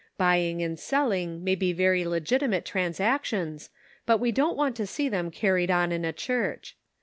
Buying and selling may 260 The Pocket Measure. be very legitimate transactions, but we don't want to see them carried on in a church.